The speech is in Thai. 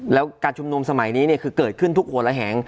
แล้วการชุมนมสมัยนี้เนี่ยคือเกิดขึ้นทุกโหลแหง